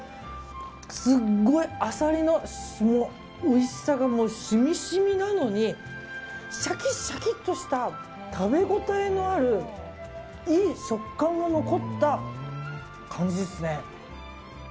すごいアサリのおいしさが染み染みなのにシャキシャキとした食べ応えのあるいい食感が残った感じですね。